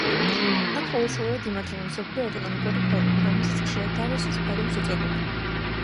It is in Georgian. აქ ყოველწლიურად იმართება მსოფლიო ეკონომიკური ფორუმი, რომელსაც ხშირად დავოსის ფორუმს უწოდებენ.